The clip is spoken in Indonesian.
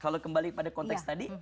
kalau kembali pada konteks tadi